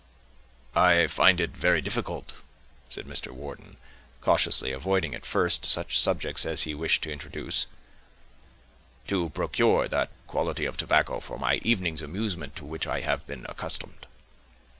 "I find it very difficult," said Mr. Wharton, cautiously avoiding at first, such subjects as he wished to introduce, "to procure that quality of tobacco for my evenings' amusement to which I have been accustomed."